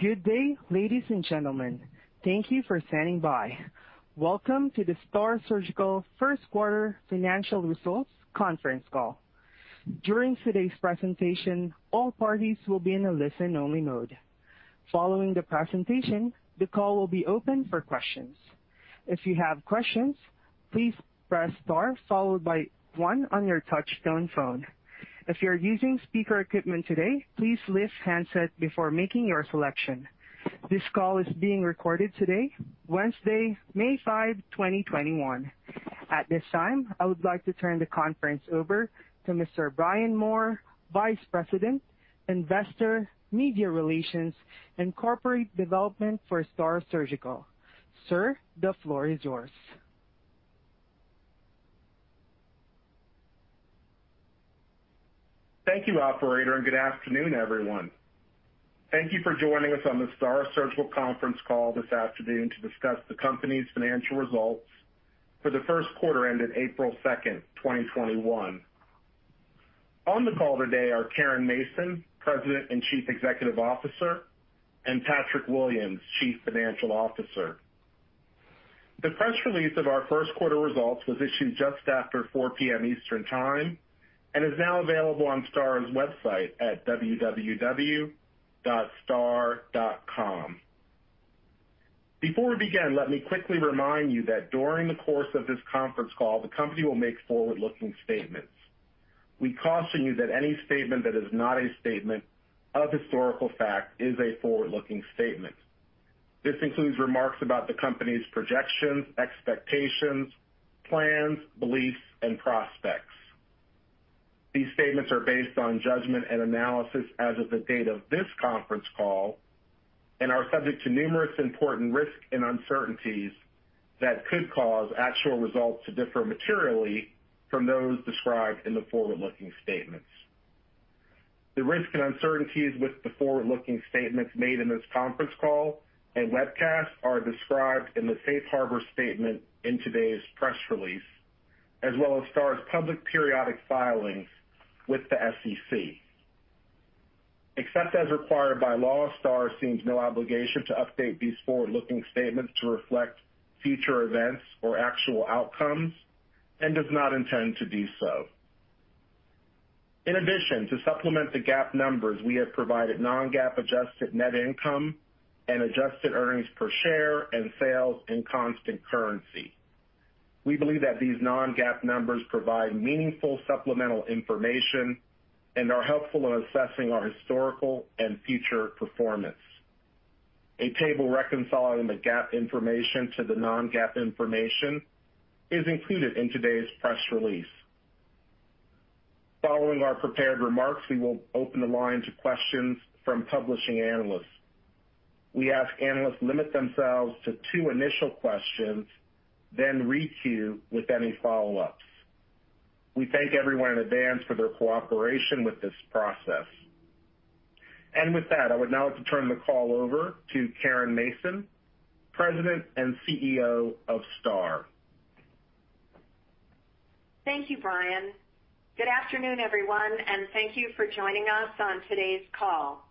Good day, ladies and gentlemen. Thank you for standing by. Welcome to the STAAR Surgical First Quarter Financial Results Conference Call. During today's presentation, all parties will be in a listen-only mode. Following the presentation, the call will be open for questions. If you have questions, please press star followed by one on your touchtone phone. If you're using speaker equipment today, please lift the handset before making your selection. This call is being recorded today, Wednesday, May 5, 2021. At this time, I would like to turn the conference over to Mr. Brian Moore, Vice President, Investor, Media Relations, and Corporate Development for STAAR Surgical. Sir, the floor is yours. Thank you, operator, and good afternoon, everyone. Thank you for joining us on the STAAR Surgical conference call this afternoon to discuss the company's Financial Results for the First Quarter ending April 2nd, 2021. On the call today are Caren Mason, President and Chief Executive Officer, and Patrick Williams, Chief Financial Officer. The press release of our first quarter results was issued just after 4:00 P.M. Eastern Time, and is now available on STAAR's website at www.staar.com. Before we begin, let me quickly remind you that during the course of this conference call, the company will make forward-looking statements. We caution you that any statement that is not a statement of historical fact is a forward-looking statement. This includes remarks about the company's projections, expectations, plans, beliefs, and prospects. These statements are based on judgment and analysis as of the date of this conference call and are subject to numerous important risks and uncertainties that could cause actual results to differ materially from those described in the forward-looking statements. The risks and uncertainties with the forward-looking statements made in this conference call and webcast are described in the safe harbor statement in today's press release, as well as STAAR's public periodic filings with the SEC. Except as required by law, STAAR assumes no obligation to update these forward-looking statements to reflect future events or actual outcomes and does not intend to do so. In addition, to supplement the GAAP numbers, we have provided non-GAAP adjusted net income and adjusted earnings per share and sales in constant currency. We believe that these non-GAAP numbers provide meaningful supplemental information and are helpful in assessing our historical and future performance. A table reconciling the GAAP information to the non-GAAP information is included in today's press release. Following our prepared remarks, we will open the line to questions from publishing analysts. We ask analysts limit themselves to two initial questions, then re-queue with any follow-ups. We thank everyone in advance for their cooperation with this process. With that, I would now like to turn the call over to Caren Mason, President and CEO of STAAR. Thank you, Brian. Good afternoon, everyone, and thank you for joining us on today's call.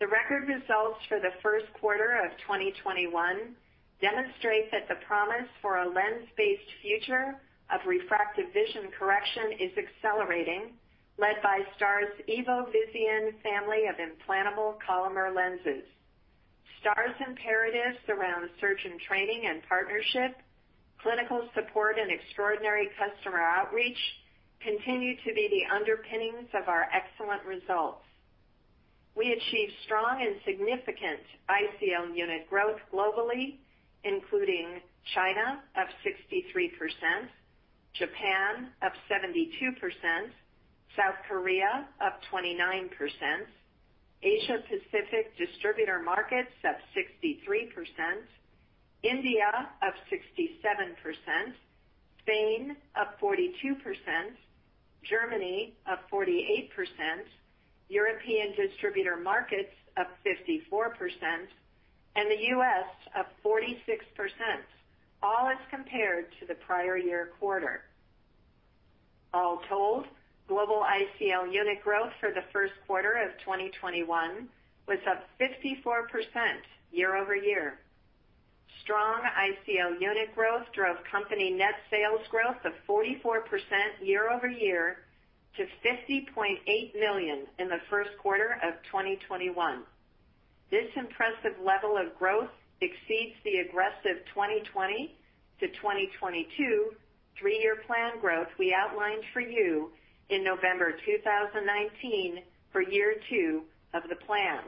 The record results for the first quarter of 2021 demonstrate that the promise for a lens-based future of refractive vision correction is accelerating, led by STAAR's EVO Visian family of Implantable Collamer Lenses. STAAR's imperatives around surgeon training and partnership, clinical support, and extraordinary customer outreach continue to be the underpinnings of our excellent results. We achieved strong and significant ICL unit growth globally, including China up 63%, Japan up 72%, South Korea up 29%, Asia Pacific distributor markets up 63%, India up 67%, Spain up 42%, Germany up 48%, European distributor markets up 54%, and the U.S. up 46%, all as compared to the prior year quarter. All told, global ICL unit growth for the first quarter of 2021 was up 54% year-over-year. Strong ICL unit growth drove company net sales growth of 44% year-over-year to $50.8 million in the first quarter of 2021. This impressive level of growth exceeds the aggressive 2020-2022 three-year plan growth we outlined for you in November 2019 for year two of the plan.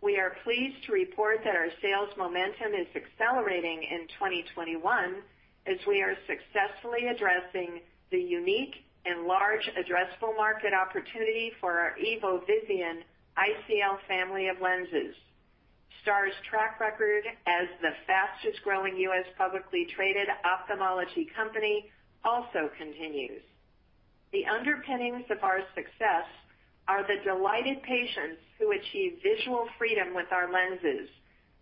We are pleased to report that our sales momentum is accelerating in 2021 as we are successfully addressing the unique and large addressable market opportunity for our EVO Visian ICL family of lenses. STAAR's track record as the fastest growing U.S. publicly traded ophthalmology company also continues. The underpinnings of our success are the delighted patients who achieve visual freedom with our lenses.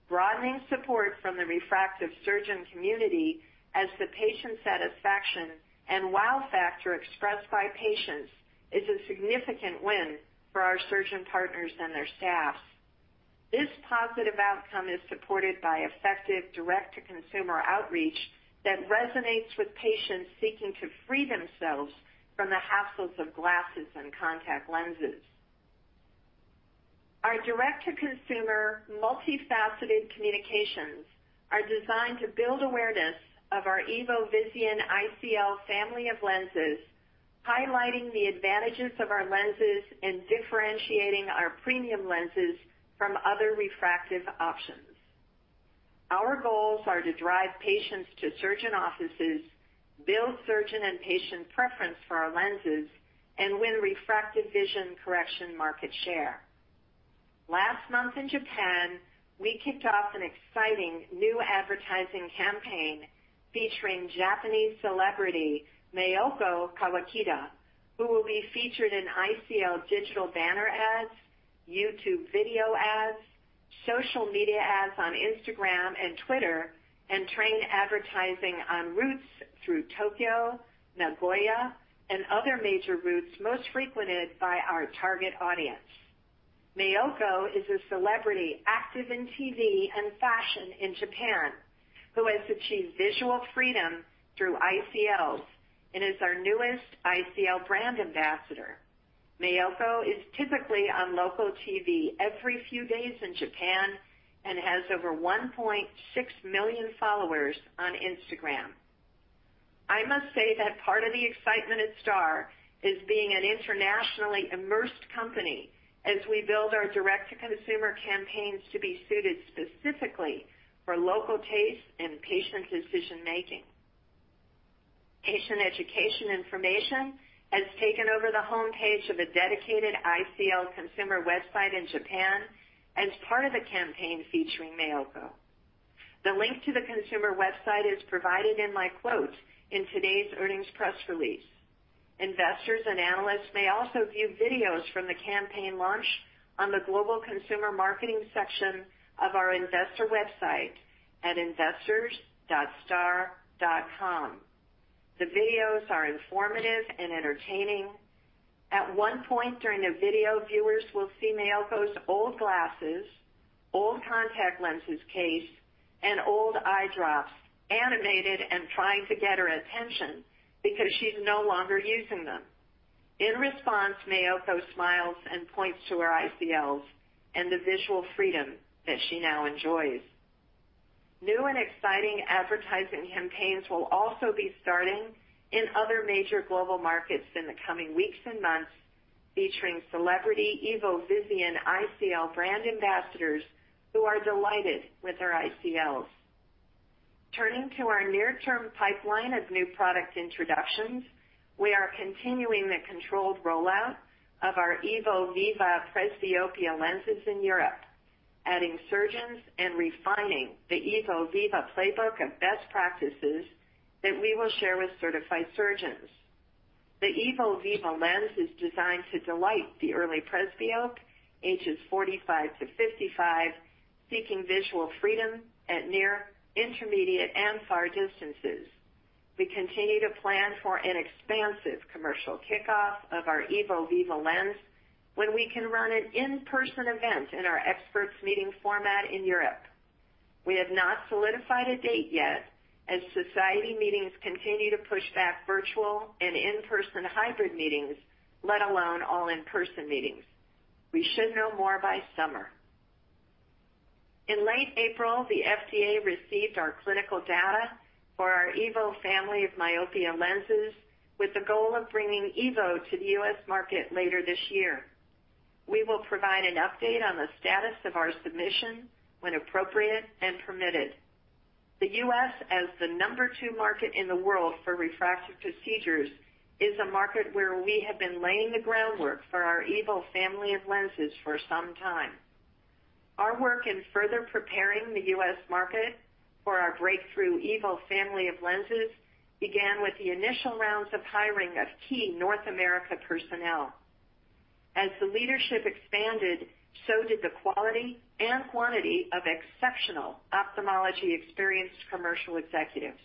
Broadening support from the refractive surgeon community as the patient satisfaction and wow factor expressed by patients is a significant win for our surgeon partners and their staff. This positive outcome is supported by effective direct-to-consumer outreach that resonates with patients seeking to free themselves from the hassles of glasses and contact lenses. Our direct-to-consumer multifaceted communications are designed to build awareness of our EVO Visian ICL family of lenses, highlighting the advantages of our lenses and differentiating our premium lenses from other refractive options. Our goals are to drive patients to surgeon offices, build surgeon and patient preference for our lenses, and win refractive vision correction market share. Last month in Japan, we kicked off an exciting new advertising campaign featuring Japanese celebrity, Mayuko Kawakita, who will be featured in ICL digital banner ads, YouTube video ads, social media ads on Instagram and Twitter, and train advertising on routes through Tokyo, Nagoya, and other major routes most frequented by our target audience. Mayuko is a celebrity active in TV and fashion in Japan who has achieved visual freedom through ICLs and is our newest ICL brand ambassador. Mayuko is typically on local TV every few days in Japan and has over 1.6 million followers on Instagram. I must say that part of the excitement at STAAR is being an internationally immersed company as we build our direct-to-consumer campaigns to be suited specifically for local tastes and patient decision-making. Patient education information has taken over the homepage of a dedicated ICL consumer website in Japan as part of the campaign featuring Mayuko. The link to the consumer website is provided in my quote in today's earnings press release. Investors and analysts may also view videos from the campaign launch on the global consumer marketing section of our investor website at investors.staar.com. The videos are informative and entertaining. At one point during the video, viewers will see Mayuko's old glasses, old contact lenses case, and old eye drops animated and trying to get her attention because she's no longer using them. In response, Mayuko smiles and points to her ICLs and the visual freedom that she now enjoys. New and exciting advertising campaigns will also be starting in other major global markets in the coming weeks and months, featuring celebrity EVO Visian ICL brand ambassadors who are delighted with their ICLs. Turning to our near-term pipeline of new product introductions, we are continuing the controlled rollout of our EVO Viva presbyopia lenses in Europe, adding surgeons and refining the EVO Viva playbook of best practices that we will share with certified surgeons. The EVO Viva lens is designed to delight the early presbyope, ages 45-55, seeking visual freedom at near, intermediate, and far distances. We continue to plan for an expansive commercial kickoff of our EVO Viva lens when we can run an in-person event in our experts meeting format in Europe. We have not solidified a date yet as society meetings continue to push back virtual and in-person hybrid meetings, let alone all in-person meetings. We should know more by summer. In late April, the FDA received our clinical data for our EVO family of myopia lenses with the goal of bringing EVO to the U.S. market later this year. We will provide an update on the status of our submission when appropriate and permitted. The U.S., as the number two market in the world for refractive procedures, is a market where we have been laying the groundwork for our EVO family of lenses for some time. Our work in further preparing the U.S. market for our breakthrough EVO family of lenses began with the initial rounds of hiring of key North America personnel. As the leadership expanded, so did the quality and quantity of exceptional ophthalmology-experienced commercial executives.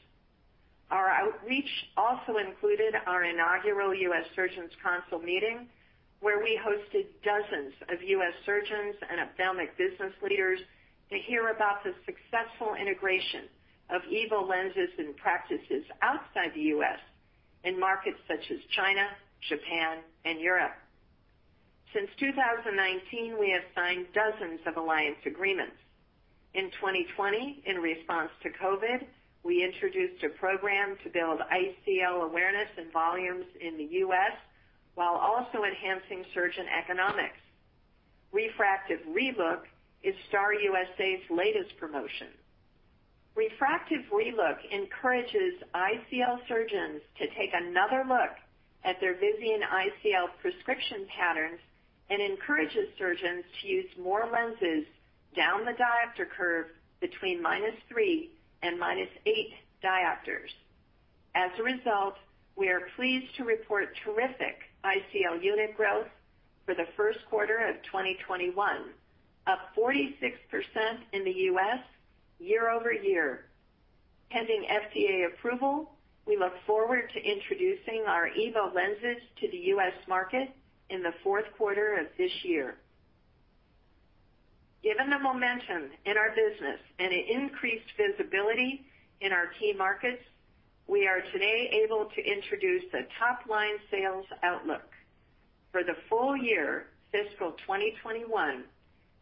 Our outreach also included our inaugural U.S. Surgeons Council meeting, where we hosted dozens of U.S. surgeons and ophthalmic business leaders to hear about the successful integration of EVO lenses and practices outside the U.S. in markets such as China, Japan, and Europe. Since 2019, we have signed dozens of alliance agreements. In 2020, in response to COVID, we introduced a program to build ICL awareness and volumes in the U.S. while also enhancing surgeon economics. Refractive Relook is STAAR U.S.A.'s latest promotion. Refractive Relook encourages ICL surgeons to take another look at their Visian ICL prescription patterns and encourages surgeons to use more lenses down the diopter curve between -3 and -8 diopters. As a result, we are pleased to report terrific ICL unit growth for the first quarter of 2021, up 46% in the U.S. year-over-year. Pending FDA approval, we look forward to introducing our EVO lenses to the U.S. market in the fourth quarter of this year. Given the momentum in our business and the increased visibility in our key markets, we are today able to introduce a top-line sales outlook. For the full year fiscal 2021,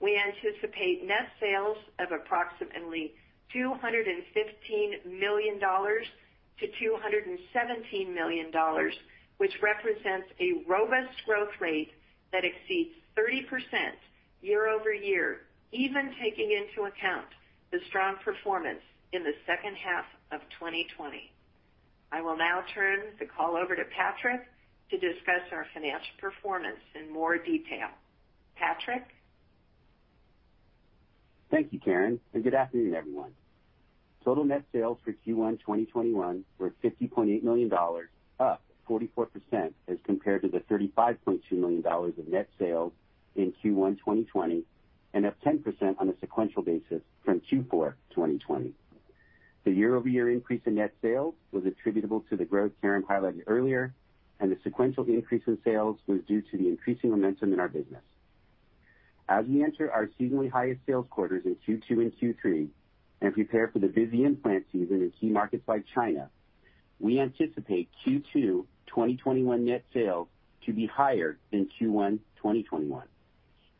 we anticipate net sales of approximately $215 million-$217 million, which represents a robust growth rate that exceeds 30% year-over-year, even taking into account the strong performance in the second half of 2020. I will now turn the call over to Patrick to discuss our financial performance in more detail. Patrick? Thank you, Caren, good afternoon, everyone. Total net sales for Q1 2021 were $50.8 million, up 44% as compared to the $35.2 million of net sales in Q1 2020, and up 10% on a sequential basis from Q4 2020. The year-over-year increase in net sales was attributable to the growth Caren highlighted earlier, and the sequential increase in sales was due to the increasing momentum in our business. As we enter our seasonally highest sales quarters in Q2 and Q3 and prepare for the busy implant season in key markets like China, we anticipate Q2 2021 net sales to be higher than Q1 2021,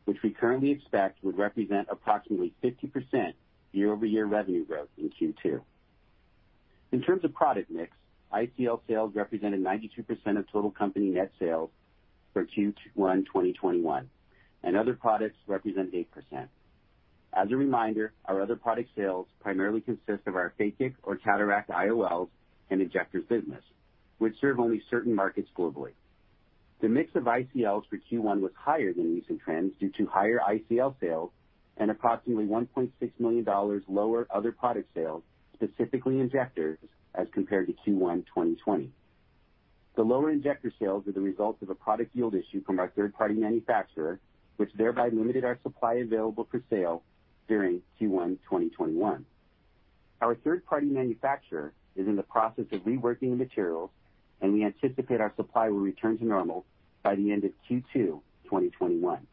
which we currently expect would represent approximately 50% year-over-year revenue growth in Q2. In terms of product mix, ICL sales represented 92% of total company net sales for Q1 2021, and other products represented 8%. As a reminder, our other product sales primarily consist of our phakic or cataract IOLs and injectors business, which serve only certain markets globally. The mix of ICLs for Q1 was higher than recent trends due to higher ICL sales and approximately $1.6 million lower other product sales, specifically injectors as compared to Q1 2020. The lower injector sales were the result of a product yield issue from our third-party manufacturer, which thereby limited our supply available for sale during Q1 2021. Our third-party manufacturer is in the process of reworking the materials, and we anticipate our supply will return to normal by the end of Q2 2021.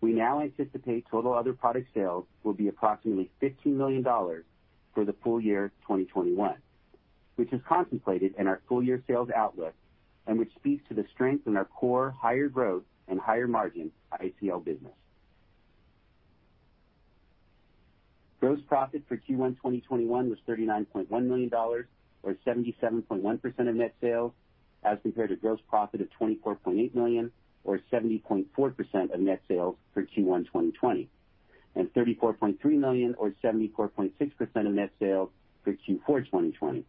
We now anticipate total other product sales will be approximately $15 million for the full year 2021, which is contemplated in our full-year sales outlook and which speaks to the strength in our core higher growth and higher margin ICL business. Gross profit for Q1 2021 was $39.1 million, or 77.1% of net sales, as compared to gross profit of $24.8 million, or 70.4% of net sales for Q1 2020, and $34.3 million, or 74.6% of net sales for Q4 2020.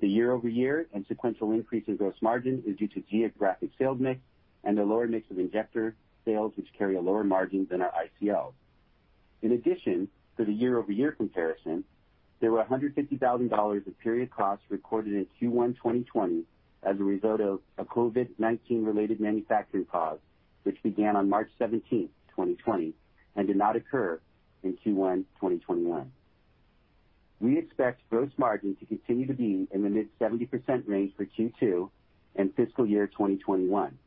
The year-over-year and sequential increase in gross margin is due to geographic sales mix and the lower mix of injector sales, which carry a lower margin than our ICL. In addition to the year-over-year comparison, there were $150,000 of period costs recorded in Q1 2020 as a result of a COVID-19 related manufacturing pause, which began on March 17th, 2020, and did not occur in Q1 2021. We expect gross margin to continue to be in the mid-70% range for Q2 and fiscal year 2021,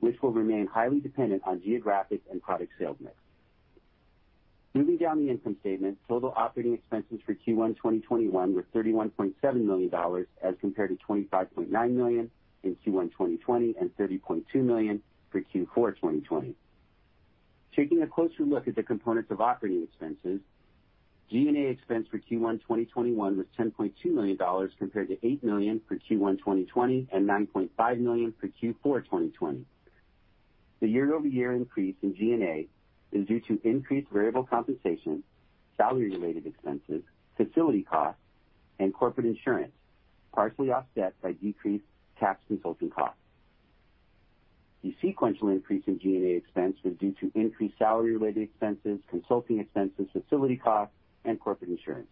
which will remain highly dependent on geographic and product sales mix. Moving down the income statement, total operating expenses for Q1 2021 were $31.7 million as compared to $25.9 million in Q1 2020 and $30.2 million for Q4 2020. Taking a closer look at the components of operating expenses, G&A expense for Q1 2021 was $10.2 million compared to $8 million for Q1 2020 and $9.5 million for Q4 2020. The year-over-year increase in G&A is due to increased variable compensation, salary-related expenses, facility costs, and corporate insurance, partially offset by decreased tax consulting costs. The sequential increase in G&A expense was due to increased salary-related expenses, consulting expenses, facility costs, and corporate insurance.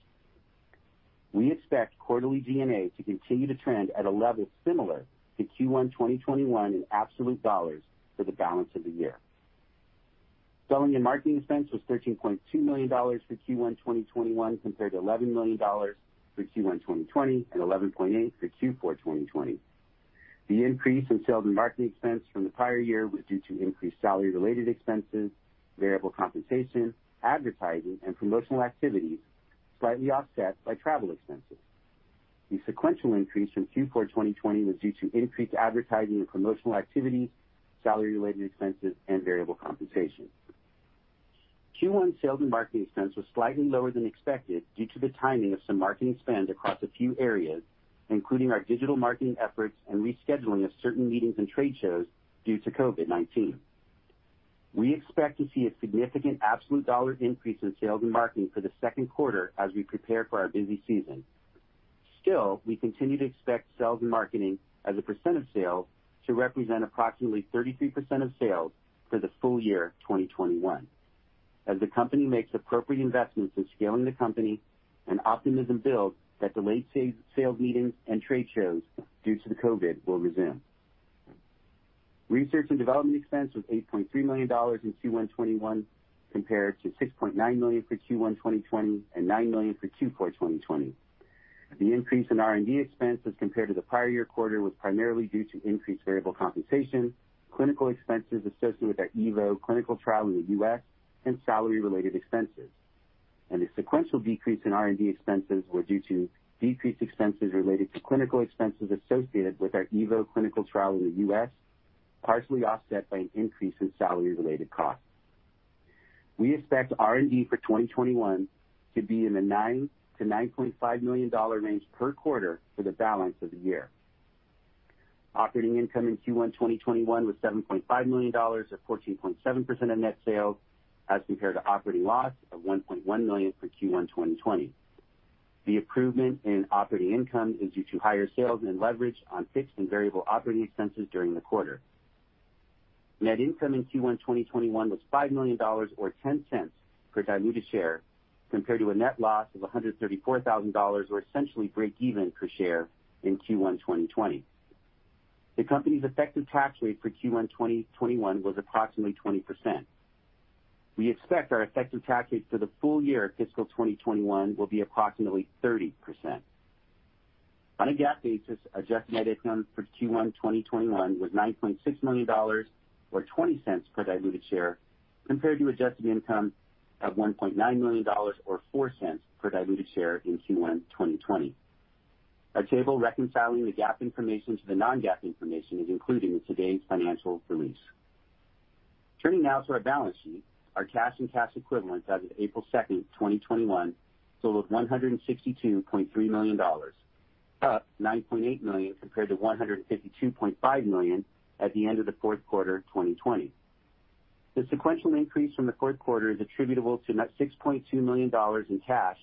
We expect quarterly G&A to continue to trend at a level similar to Q1 2021 in absolute dollars for the balance of the year. Sales and marketing expense was $13.2 million for Q1 2021 compared to $11 million for Q1 2020 and $11.8 for Q4 2020. The increase in sales and marketing expense from the prior year was due to increased salary-related expenses, variable compensation, advertising, and promotional activities, slightly offset by travel expenses. The sequential increase from Q4 2020 was due to increased advertising and promotional activities, salary-related expenses, and variable compensation. Q1 sales and marketing expense was slightly lower than expected due to the timing of some marketing spend across a few areas, including our digital marketing efforts and rescheduling of certain meetings and trade shows due to COVID-19. We expect to see a significant absolute dollar increase in sales and marketing for the second quarter as we prepare for our busy season. Still, we continue to expect sales and marketing as a percent of sales to represent approximately 33% of sales for the full year 2021. As the company makes appropriate investments in scaling the company and optimism builds that delayed sales meetings and trade shows due to the COVID will resume. Research and development expense was $8.3 million in Q1 2021, compared to $6.9 million for Q1 2020 and $9 million for Q4 2020. The increase in R&D expenses compared to the prior year quarter was primarily due to increased variable compensation, clinical expenses associated with our EVO clinical trial in the U.S., and salary related expenses. The sequential decrease in R&D expenses were due to decreased expenses related to clinical expenses associated with our EVO clinical trial in the U.S., partially offset by an increase in salary related costs. We expect R&D for 2021 to be in the $9 million-$9.5 million range per quarter for the balance of the year. Operating income in Q1 2021 was $7.5 million, or 14.7% of net sales, as compared to operating loss of $1.1 million for Q1 2020. The improvement in operating income is due to higher sales and leverage on fixed and variable operating expenses during the quarter. Net income in Q1 2021 was $5 million, or $0.10 per diluted share, compared to a net loss of $134,000, or essentially breakeven per share in Q1 2020. The company's effective tax rate for Q1 2021 was approximately 20%. We expect our effective tax rate for the full year fiscal 2021 will be approximately 30%. On a GAAP basis, adjusted net income for Q1 2021 was $9.6 million, or $0.20 per diluted share, compared to adjusted income of $1.9 million or $0.04 per diluted share in Q1 2020. A table reconciling the GAAP information to the non-GAAP information is included in today's financial release. Turning now to our balance sheet, our cash and cash equivalents as of April 2nd, 2021, totaled $162.3 million, up $9.8 million compared to $152.5 million at the end of the fourth quarter 2020. The sequential increase from the fourth quarter is attributable to net $6.2 million in cash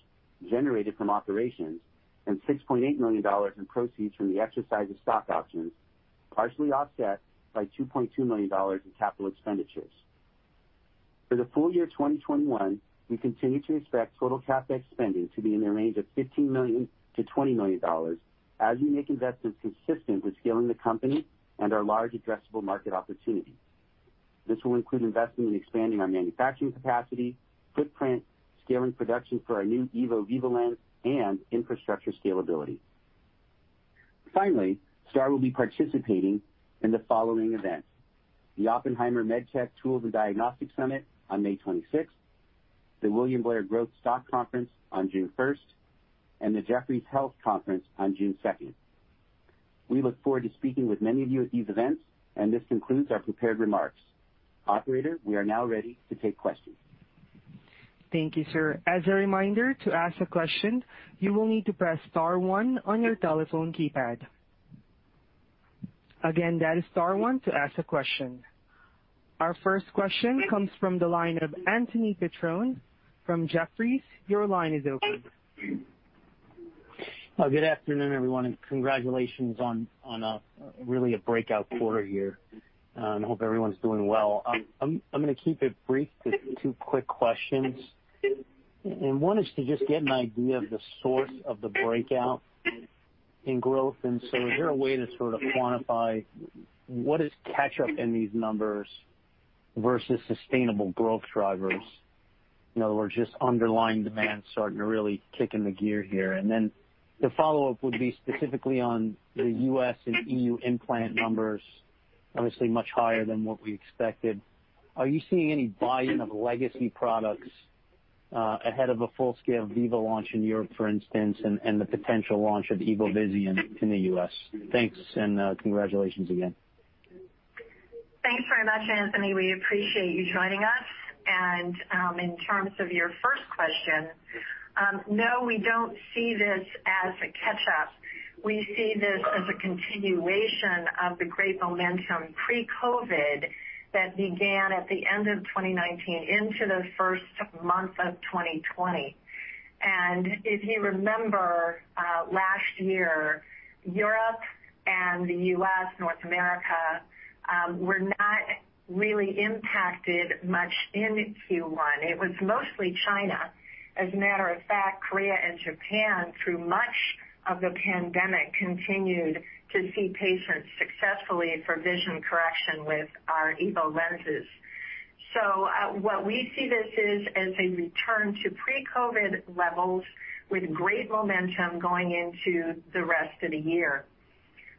generated from operations and $6.8 million in proceeds from the exercise of stock options, partially offset by $2.2 million in capital expenditures. For the full year 2021, we continue to expect total CapEx spending to be in the range of $15 million-$20 million as we make investments consistent with scaling the company and our large addressable market opportunity. This will include investing in expanding our manufacturing capacity, footprint, scaling production for our new EVO Viva lens, and infrastructure scalability. Finally, STAAR will be participating in the following events: the Oppenheimer MedTech, Tools & Diagnostics Summit on May 26th, the William Blair Growth Stock Conference on June 1st, and the Jefferies Healthcare Conference on June 2nd. We look forward to speaking with many of you at these events. This concludes our prepared remarks. Operator, we are now ready to take questions. Thank you, sir. As a reminder, to ask a question, you will need to press star one on your telephone keypad. Again, that is star one to ask a question. Our first question comes from the line of Anthony Petrone from Jefferies. Your line is open. Good afternoon, everyone. Congratulations on really a breakout quarter here. Hope everyone's doing well. I'm going to keep it brief with two quick questions. One is to just get an idea of the source of the breakout in growth. Is there a way to sort of quantify what is catch-up in these numbers versus sustainable growth drivers? In other words, just underlying demand starting to really kick into gear here. The follow-up would be specifically on the U.S. and EU implant numbers, obviously much higher than what we expected. Are you seeing any buy-in of legacy products ahead of a full-scale EVO launch in Europe, for instance, and the potential launch of EVO Visian in the U.S.? Thanks. Congratulations again. Thanks very much, Anthony. We appreciate you joining us. In terms of your first question, no, we don't see this as a catch-up. We see this as a continuation of the great momentum pre-COVID that began at the end of 2019 into the first month of 2020. If you remember last year, Europe and the U.S., North America, were not really impacted much in Q1. It was mostly China. As a matter of fact, Korea and Japan, through much of the pandemic, continued to see patients successfully for vision correction with our EVO lenses. What we see this is as a return to pre-COVID levels with great momentum going into the rest of the year.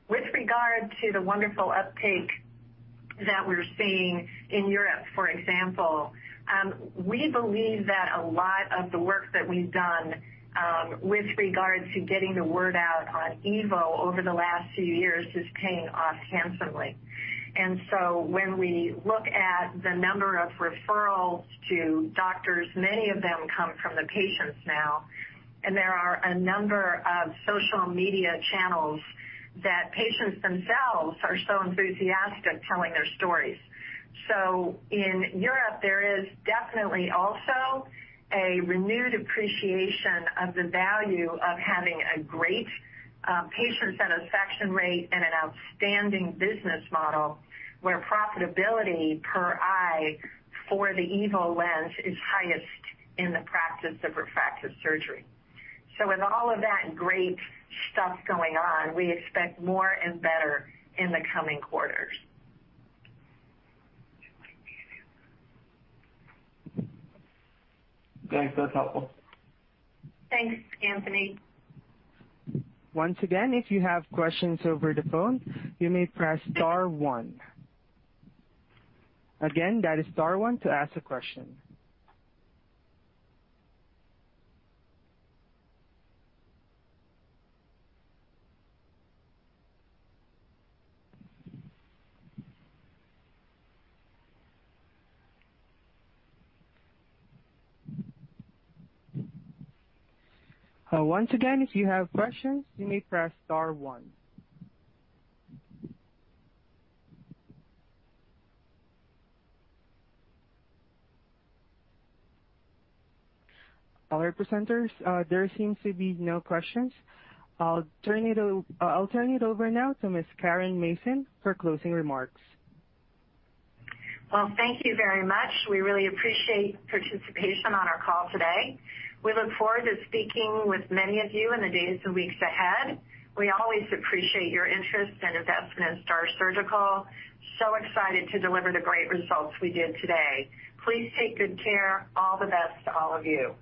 With regard to the wonderful uptake that we're seeing in Europe, for example, we believe that a lot of the work that we've done with regard to getting the word out on EVO over the last few years is paying off handsomely. When we look at the number of referrals to doctors, many of them come from the patients now, and there are a number of social media channels that patients themselves are so enthusiastic telling their stories. In Europe, there is definitely also a renewed appreciation of the value of having a great patient satisfaction rate and an outstanding business model where profitability per eye for the EVO lens is highest in the practice of refractive surgery. With all of that great stuff going on, we expect more and better in the coming quarters. Thanks. That's helpful. Thanks, Anthony. Once again, if you have questions over the phone, you may press star one. Again, that is star one to ask a question. Once again, if you have questions, you may press star one. All right, presenters, there seems to be no questions. I'll turn it over now to Ms. Caren Mason for closing remarks. Well, thank you very much. We really appreciate participation on our call today. We look forward to speaking with many of you in the days and weeks ahead. We always appreciate your interest and investment in STAAR Surgical. Excited to deliver the great results we did today. Please take good care. All the best to all of you.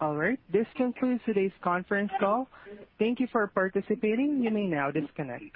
All right. This concludes today's conference call. Thank you for participating. You may now disconnect.